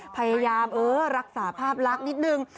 พยายามเออรักษาภาพรักนิดหนึ่ง